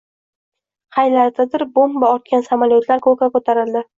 Qaylardadir bomba ortgan samolyotlar koʻkka koʻtarildi